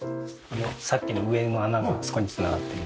さっきの上の穴があそこに繋がっています。